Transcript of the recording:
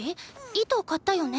糸買ったよね？